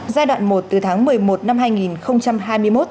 giai đoạn một từ tháng một mươi một năm hai nghìn hai mươi một